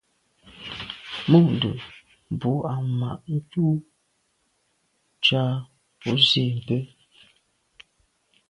Mû’ndə̀ bù à’ mà’ ú cá ú zî bə́.